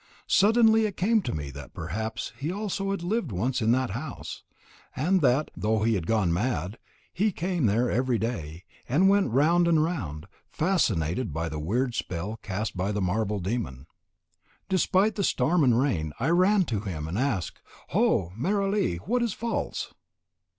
Suddenly it came to me that perhaps he also had once lived in that house, and that, though he had gone mad, he came there every day, and went round and round, fascinated by the weird spell cast by the marble demon. Despite the storm and rain I ran to him and asked: "Ho, Meher Ali, what is false?"